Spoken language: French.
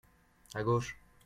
À gauche.